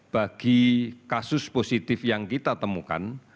bagi kasus positif yang kita temukan